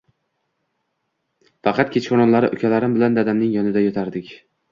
Faqat kechqurunlari ukalarim bilan dadamning yonida yotardik.